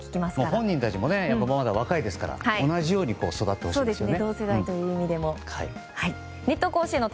本人たちも若いですから同じように育ってほしいですね。